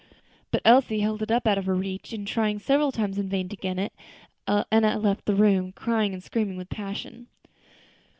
But Elsie held it up out of her reach, and after trying several times in vain to get it, Enna left the room, crying and screaming with passion.